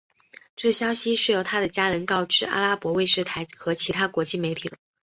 这消息是由他的家人告知阿拉伯卫视台和其他国际媒体的。